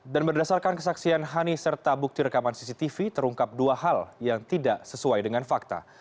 dan berdasarkan kesaksian hani serta bukti rekaman cctv terungkap dua hal yang tidak sesuai dengan fakta